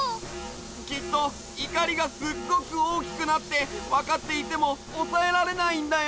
きっといかりがすっごくおおきくなってわかっていてもおさえられないんだよ！